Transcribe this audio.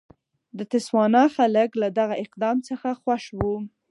د تسوانا خلک له دغه اقدام څخه خوښ وو.